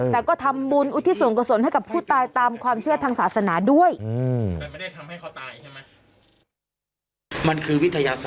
แต่ก็ทำบุญอุทิศส่วนกุศลให้กับผู้ตายตามความเชื่อทางศาสนาด้วย